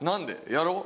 やろう。